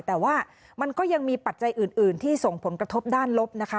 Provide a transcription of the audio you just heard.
แต่ว่ามันก็ยังมีปัจจัยอื่นที่ส่งผลกระทบด้านลบนะคะ